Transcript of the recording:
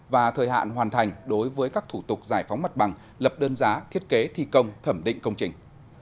và thời hạn hoàn thành đối với các thủ tục giải phóng mặt bằng lập đơn giá thiết kế thi công thẩm định công trình